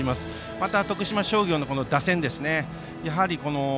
また徳島商業の打線ですね。